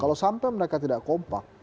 kalau sampai mereka tidak kompak